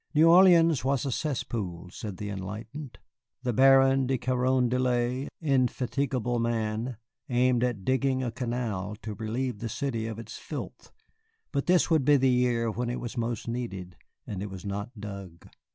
New Orleans was a cesspool, said the enlightened. The Baron de Carondelet, indefatigable man, aimed at digging a canal to relieve the city of its filth, but this would be the year when it was most needed, and it was not dug.